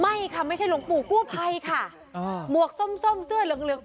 ไม่ค่ะไม่ใช่หลวงปู่กู้ภัยค่ะอ่าหมวกส้มส้มเสื้อเหลืองเหลือง